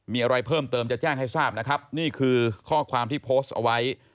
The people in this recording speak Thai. มีอะไรเพิ่มเติมจะแจ้งให้ทราบนะครับนี่คือข้อความที่โพสต์เอาไว้